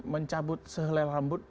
mencabut sehelai rambut